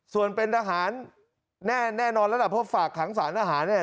ส่วนเป็นทหารแน่นอนแล้วล่ะเพราะฝากขังสารทหารเนี่ย